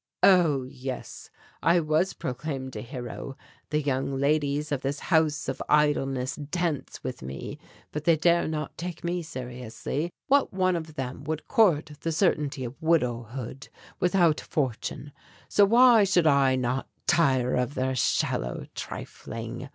"Oh, yes, I was proclaimed a hero. The young ladies of this house of idleness dance with me, but they dare not take me seriously; what one of them would court the certainty of widowhood without a fortune? So why should I not tire of their shallow trifling?